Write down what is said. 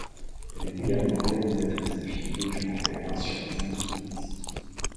Elle est également réalisatrice de films documentaires sur les Indiens du Mexique.